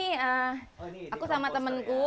oh ini ini komponsernya ya aku sama temenku